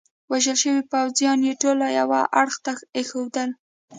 وژل شوي پوځیان يې ټول یوه اړخ ته ایښودل.